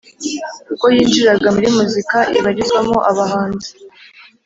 ubwo yinjiraga muri muzika ibarizwamo abahanzi